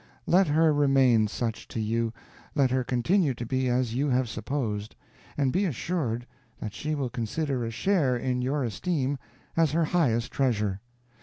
Let her remain such to you, let her continue to be as you have supposed, and be assured that she will consider a share in your esteem as her highest treasure.